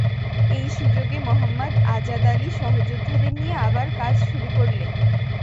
এই সুযোগে মোহাম্মদ আজাদ আলী সহযোদ্ধাদের নিয়ে আবার কাজ শুরু করলেন।